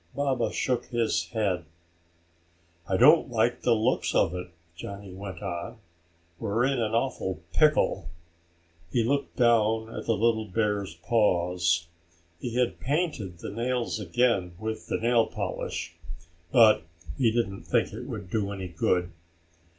Baba shook his head. "I don't like the looks of it," Johnny went on. "We're in an awful pickle." He looked down at the little bear's paws. He had painted the nails again with the nail polish, but he didn't think it would do any good.